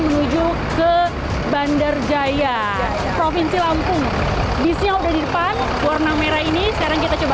menuju ke bandar jaya provinsi lampung bisi yang udah di depan warna merah ini sekarang kita coba